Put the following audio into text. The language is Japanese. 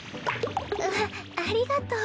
あありがとう。